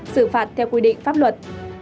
xử phạt theo quy định pháp luật